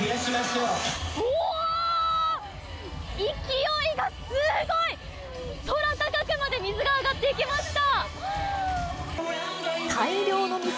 うわーっ、勢いがすごい、空高くまで水が上がっていきました。